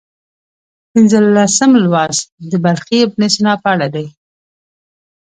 پنځلسم لوست د بلخي ابن سینا په اړه دی.